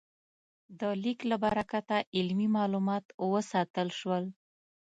د لیک له برکته علمي مالومات وساتل شول.